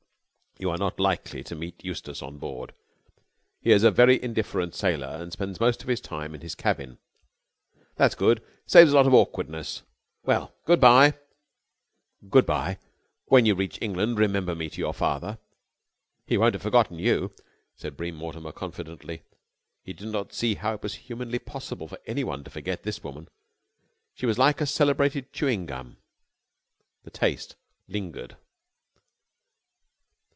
"You are not likely to meet Eustace on board. He is a very indifferent sailor and spends most of his time in his cabin." "That's good! Saves a lot of awkwardness. Well, good bye." "Good bye. When you reach England remember me to your father." "He won't have forgotten you," said Bream Mortimer confidently. He did not see how it was humanly possible for anyone to forget this woman. She was like a celebrated chewing gum. The taste lingered.